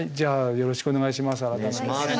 よろしくお願いします。